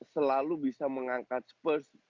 selalu bisa mengangkat spurs